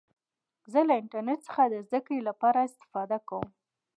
زه له انټرنټ څخه د زدهکړي له پاره استفاده کوم.